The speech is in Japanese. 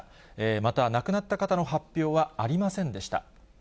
また亡くなった方の発表はありませんでした。